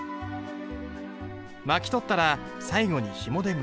巻き取ったら最後にひもで結ぶ。